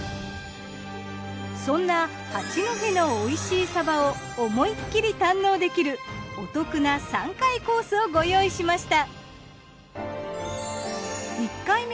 そんな八戸のおいしいサバを思いっきり堪能できるお得な３回コースをご用意しました。